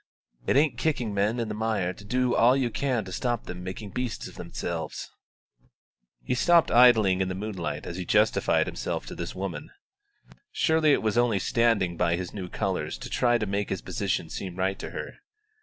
It ain't kicking men in the mire to do all you can to stop them making beasts of themselves." He stood idling in the moonlight as he justified himself to this woman. Surely it was only standing by his new colours to try to make his position seem right to her.